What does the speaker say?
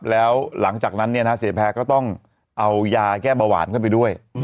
แล้วหลังจากนั้นเสียแพร่ก็ต้องเอายาแก้เบาหวานขึ้นไปด้วย